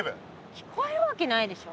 聞こえるわけないでしょ。